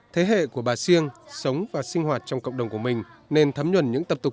thế hệ của bà siêng sống và sinh hoạt trong cộng đồng của mình nên thấm nhuần những tập tục